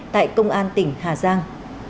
tại công an tỉnh hà giang